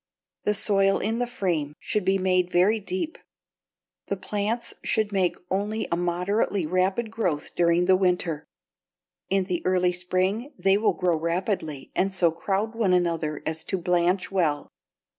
The soil in the frame should be made very deep. The plants should make only a moderately rapid growth during the winter. In the early spring they will grow rapidly and so crowd one another as to blanch well.